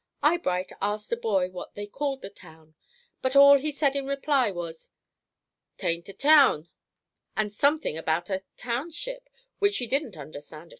Eyebright asked a boy what they called the town, but all he said in reply was, "'Tain't a teown" and something about a "Teownship," which she didn't at all understand.